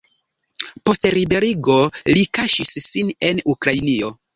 Post liberigo li kaŝis sin en Ukrainio.